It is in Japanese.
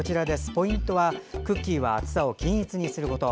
ポイントはクッキーの厚さを均一にすること。